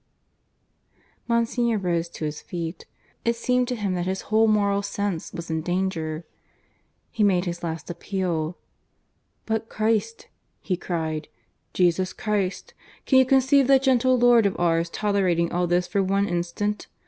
Monsignor rose to his feet. It seemed to him that his whole moral sense was in danger. He made his last appeal. "But Christ!" he cried; "Jesus Christ! Can you conceive that gentle Lord of ours tolerating all this for one instant!